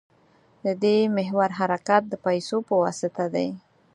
د دې محور حرکت د پیسو په واسطه دی.